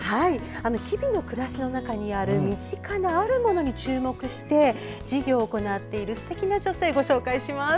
日々の暮らしの中にある身近なあるものに注目して事業を行っているすてきな女性をご紹介します。